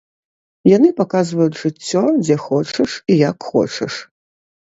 Яны паказваюць жыццё дзе хочаш і як хочаш.